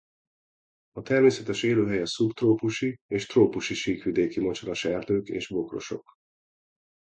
A természetes élőhelye szubtrópusi és trópusi síkvidéki mocsaras erdők és bokrosok.